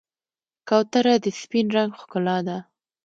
کوتره د سپین رنګ ښکلا ده.